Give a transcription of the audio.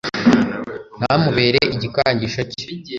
ntamubere igikangisho cye